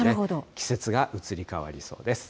季節が移り変わりそうです。